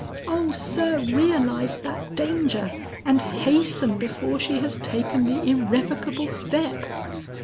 O sir, realize that danger and hasten before she has taken the irrevocable step.'